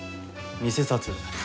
偽札。